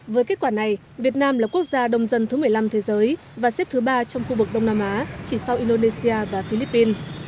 với kết quả này việt nam là quốc gia đông dân thứ một mươi năm thế giới và xếp thứ ba trong khu vực đông nam á chỉ sau indonesia và philippines